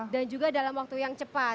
dan juga dalam waktu yang cepat